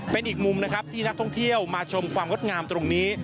เป็นอีกมุมนะครับที่นักท่องเที่ยวมาชมความงดงามตรงนี้